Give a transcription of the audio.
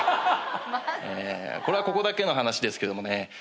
これはここだけの話ですけどもね